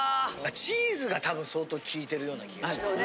チーズがたぶん相当きいてるような気がします。